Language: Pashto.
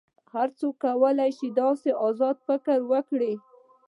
هر څوک کولی شي آزاد فکر وکړي.